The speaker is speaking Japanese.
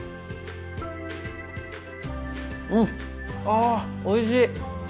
うんあおいしい！